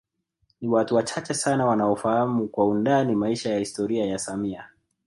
Ni watu wachache sana wanaofahamu kwa undani maisha na historia ya samia